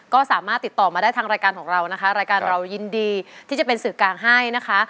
ก็สามารถติดต่อมาได้ทางรายการของเรานะคะรายการเรายินดีที่จะเป็นสื่อกลางให้นะคะ